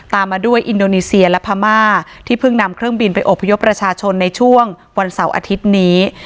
มาด้วยอินโดนีเซียและพม่าที่เพิ่งนำเครื่องบินไปอบพยพประชาชนในช่วงวันเสาร์อาทิตย์นี้